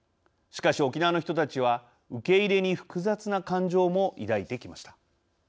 しかし沖縄の人たちは受け入れに複雑な感情も抱いてきました。